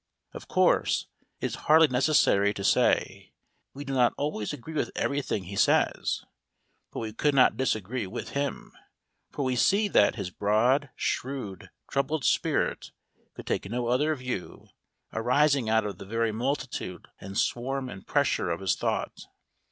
Of course it is hardly necessary to say we do not always agree with everything he says. But we could not disagree with him; for we see that his broad, shrewd, troubled spirit could take no other view, arising out of the very multitude and swarm and pressure of his thought.